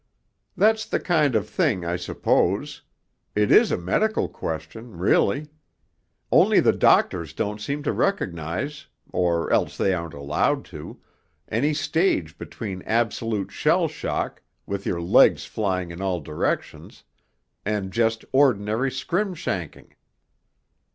'That's the kind of thing, I suppose. It is a medical question, really. Only the doctors don't seem to recognize or else they aren't allowed to any stage between absolute shell shock, with your legs flying in all directions, and just ordinary skrim shanking.'